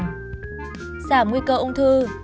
giảm nguy cơ ung thư